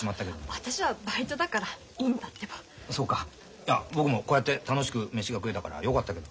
いや僕もこうやって楽しく飯が食えたからよかったけど。